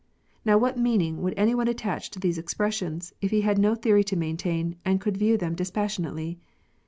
Now what meaning would any one attach to these expressions, if he had no theory to maintain, and could view them dispassionately